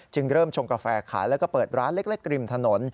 เริ่มชงกาแฟขายแล้วก็เปิดร้านเล็กริมถนน